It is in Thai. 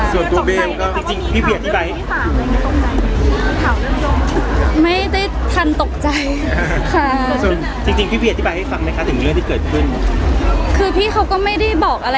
ส่วนตัวเคยได้เจอบังน้องชิงทรีย์มเขาไหมคะ